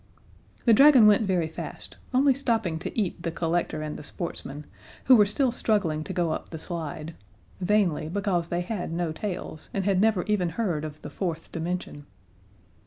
The dragon went very fast, only stopping to eat the collector and the sportsman, who were still struggling to go up the slide vainly, because they had no tails, and had never even heard of the fourth dimension.